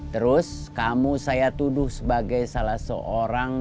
terus kamu saya tuduh sebagai salah seorang